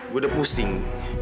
gue udah pusing